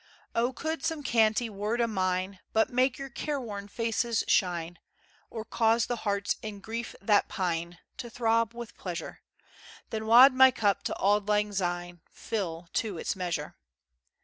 O, could some cantie[B] word o' mine, But make your careworn faces shine, Or cause the hearts in grief that pine, To throb with pleasure, Then wad my cup to auld lang syne, Fill to its measure.